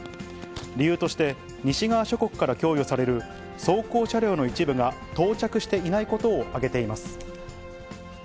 理由として、西側諸国から供与される装甲車両の一部が到着していないことを挙げています。